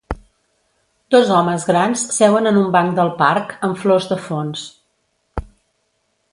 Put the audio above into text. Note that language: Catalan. Dos homes grans seuen en un banc del parc, amb flors de fons.